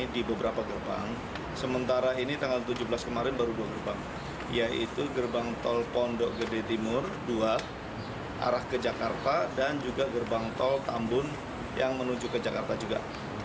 di antaranya gerbang tol tambun yang menuju ke jakarta juga